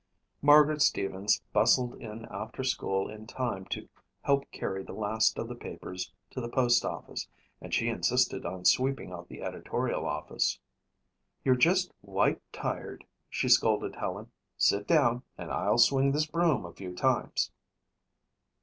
Margaret Stevens bustled in after school in time to help carry the last of the papers to the postoffice and she insisted on sweeping out the editorial office. "You're just 'white' tired," she scolded Helen. "Sit down and I'll swing this broom a few times."